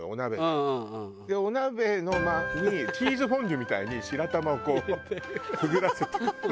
お鍋にチーズフォンデュみたいに白玉をこうくぐらせて。